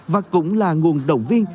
và cũng là nguồn động viên